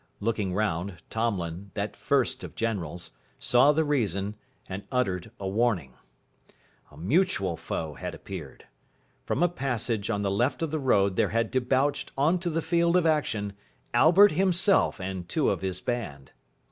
Looking round, Tomlin, that first of generals, saw the reason, and uttered a warning. A mutual foe had appeared. From a passage on the left of the road there had debouched on to the field of action Albert himself and two of his band.